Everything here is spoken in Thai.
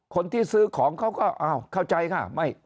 คนที่ซื้อของเขาก็อ้าวเข้าใจค่ะ